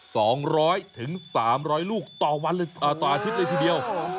สองร้อยถึงสามร้อยลูกต่อวันเลยอ่าต่ออาทิตย์เลยทีเดียว